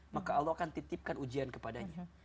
maka allah akan titipkan ujian kepadanya